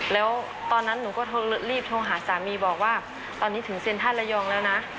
แล้วตอนนั้นหนูก็รีบโทรหาสามีบอกว่าตอนนี้ถึงเซ็นทรัลระยองแล้วนะ